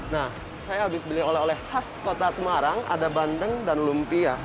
nah saya habis beli oleh oleh khas kota semarang ada bandeng dan lumpia